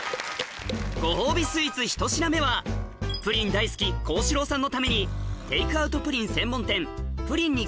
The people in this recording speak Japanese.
ご褒美スイーツ１品目はプリン大好き幸四郎さんのためにテイクアウトプリン